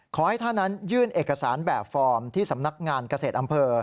ขอให้ท่านนั้นยื่นเอกสารแบบฟอร์มที่สำนักงานเกษตรอำเภอ